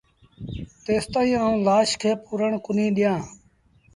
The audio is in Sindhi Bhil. تيستائيٚݩ آئوݩ لآش کي پورڻ ڪونهيٚ ڏيآݩ